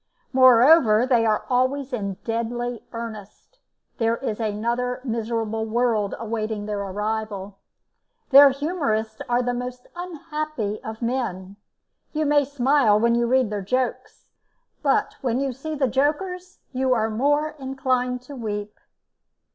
Moreover, they are always in deadly earnest; there is another miserable world awaiting their arrival. Their humorists are the most unhappy of men. You may smile when you read their jokes, but when you see the jokers you are more inclined to weep.